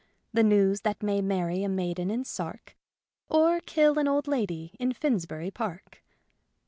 The news that may marry a maiden in Sark, Or kill an old lady in Finsbury Park."